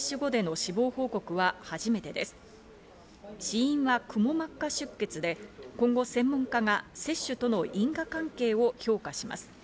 死因は、くも膜下出血で、今後、専門家が接種との因果関係を評価します。